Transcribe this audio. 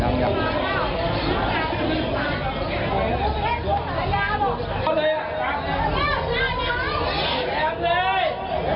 สร้างประกราชการปลอดภัย